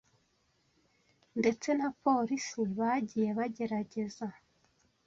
ndetse na Polisi bagiye bagerageza